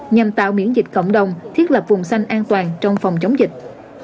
nhằm tạo miễn dịch cộng đồng thiết lập vùng xanh an toàn trong phòng chống dịch